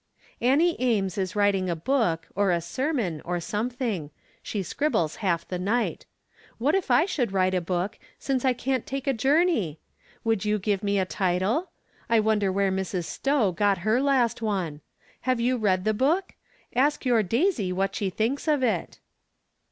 Annie Ames is writmg a book, or a sermon, or sometliing ; she scribbles half the night. What if I should write a book, siace I can't take a jour ney ! Could you give me a title ? I wonder where Mrs. Stowe got her last one. Have you read the book ? Ask your Daisy what she thinks of it.